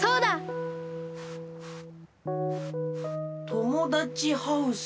ともだちハウス。